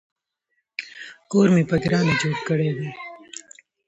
کور مې په ګرانه جوړ کړی دی